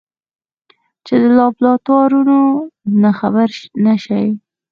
چې د لابراتوار نه خبره نشي.